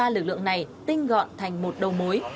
ba lực lượng này tinh gọn thành một đầu mối